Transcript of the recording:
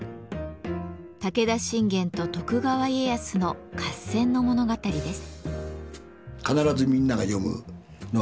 武田信玄と徳川家康の合戦の物語です。